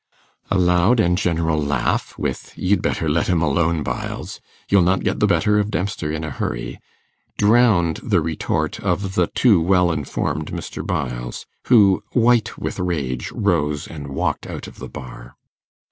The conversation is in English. A loud and general laugh, with 'You'd better let him alone Byles'; 'You'll not get the better of Dempster in a hurry', drowned the retort of the too well informed Mr. Byles, who, white with rage, rose and walked out of the bar.